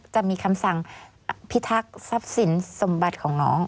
จะมีคำสั่งพิทักษ์ทรัพย์สินสมบัติของน้อง